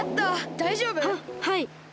だいじょうぶ？ははい。